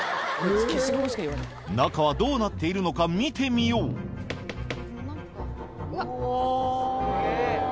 ⁉中はどうなっているのか見てみよう・うわ・すげぇ。